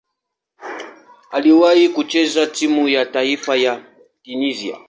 Aliwahi kucheza timu ya taifa ya Tunisia.